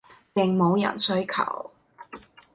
應某人需求